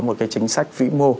một cái chính sách vĩ mô